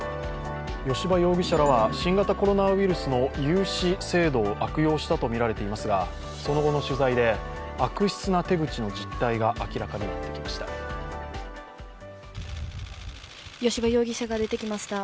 吉羽容疑者らは新型コロナウイルスの融資制度を悪用したとみられていますが、その後の取材で、悪質な手口の実態が明らかになってきました。